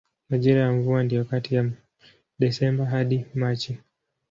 Majira ya mvua ndiyo kati ya Desemba hadi Machi.